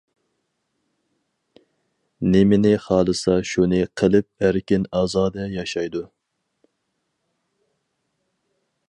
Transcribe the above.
نېمىنى خالىسا شۇنى قىلىپ ئەركىن-ئازادە ياشايدۇ.